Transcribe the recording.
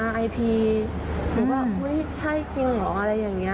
หนูเป็นว่าใช่จริงเหรออะไรอย่างนี้